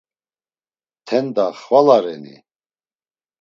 Tenda xvala reni?